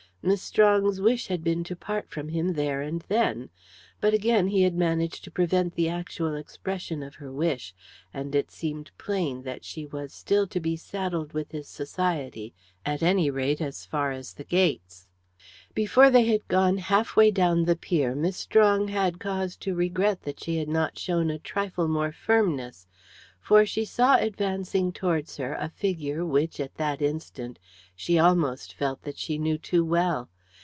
Miss Strong's wish had been to part from him there and then; but again he had managed to prevent the actual expression of her wish, and it seemed plain that she was still to be saddled with his society, at any rate, as far as the gates. Before they had gone half way down the pier Miss Strong had cause to regret that she had not shown a trifle more firmness, for she saw advancing towards her a figure which, at the instant, she almost felt that she knew too well.